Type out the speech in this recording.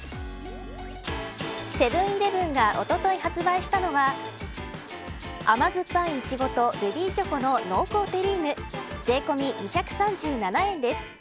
セブン‐イレブンがおととい発売したのは甘酸っぱい苺とルビーチョコの濃厚テリーヌ税込み２３７円です。